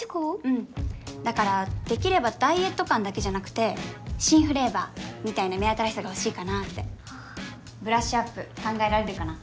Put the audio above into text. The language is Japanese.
うんだからできればダイエット感だけじゃなくて新フレーバーみたいな目新しさが欲しいかなってブラッシュアップ考えられるかな？